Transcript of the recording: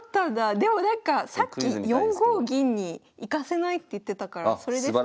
でもなんかさっき４五銀に行かせないって言ってたからそれですか？